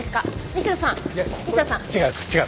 西田さん。